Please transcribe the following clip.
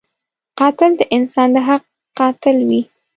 قاتل د انسان د حق قاتل وي